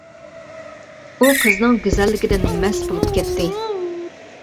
ئۇ قىزنىڭ گۈزەللىكىدىن مەست بولۇپ كەتتى.